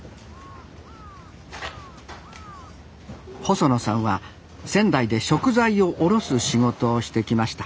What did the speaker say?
細野さんは仙台で食材を卸す仕事をしてきました